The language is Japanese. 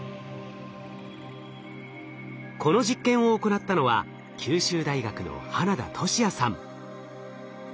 この実験を行ったのは九州大学の花田俊也さん。